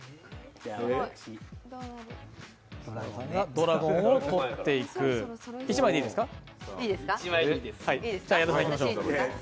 ドラゴンを取っていく、１枚でいいですか？